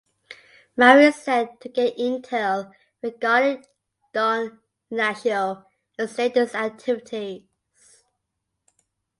Mara is sent to get intel regarding Don Ignacio and his latest activities.